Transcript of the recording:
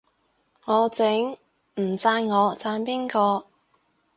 我整，唔讚我讚邊個